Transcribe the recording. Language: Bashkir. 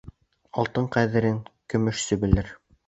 Алтын ҡәҙерен көмөшсө белер.